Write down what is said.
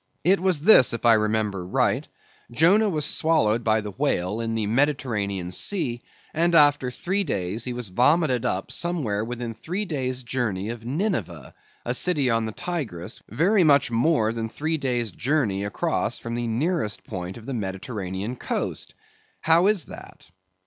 It was this, if I remember right: Jonah was swallowed by the whale in the Mediterranean Sea, and after three days he was vomited up somewhere within three days' journey of Nineveh, a city on the Tigris, very much more than three days' journey across from the nearest point of the Mediterranean coast. How is that?